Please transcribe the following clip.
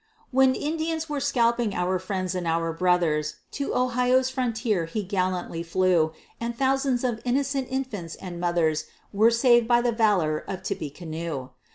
When Indians were scalping our friends and our brothers, To Ohio's frontier he gallantly flew; And thousands of innocent infants, and mothers, Were saved by the valor of Tippecanoe.